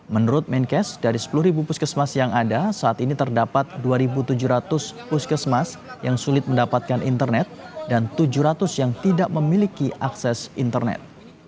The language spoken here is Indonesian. menurut menkes dari sepuluh puskesmas yang ada saat ini terdapat dua tujuh ratus puskesmas yang sulit mendapatkan internet dan tujuh ratus yang tidak memiliki akses internet